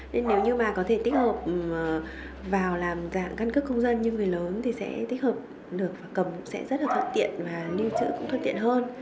nên nếu như mà có thể tích hợp vào làm dạng căn cước công dân như người lớn thì sẽ tích hợp được và cầm sẽ rất là thuận tiện và lưu trữ cũng thuận tiện hơn